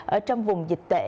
ở trong vùng dịch tễ